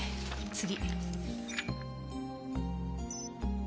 次。